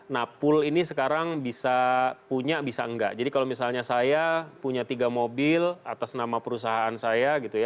nah pool ini sekarang bisa punya bisa enggak jadi kalau misalnya saya punya tiga mobil atas nama perusahaan saya gitu ya